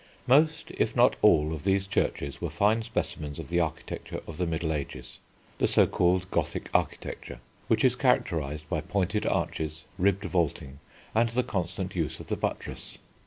Most, if not all, of these churches were fine specimens of the architecture of the Middle Ages, the so called Gothic architecture, which is characterised by pointed arches, ribbed vaulting, and the constant use of the buttress.